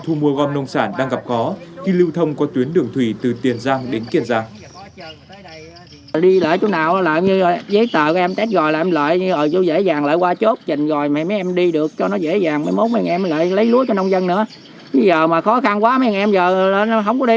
thu mua gom nông sản đang gặp khó khi lưu thông qua tuyến đường thủy từ tiền giang đến kiên giang